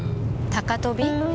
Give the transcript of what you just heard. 高飛び？